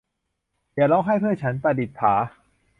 อย่าร้องไห้เพื่อฉัน - ประดิษฐา